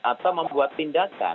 atau membuat tindakan